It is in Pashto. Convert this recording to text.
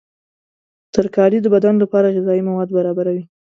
ترکاري د بدن لپاره غذایي مواد برابروي.